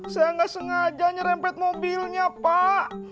saya nggak sengaja nyerempet mobilnya pak